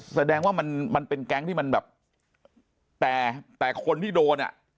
แสดงว่ามันเป็นแก๊งที่มันแบบแต่คนที่โดน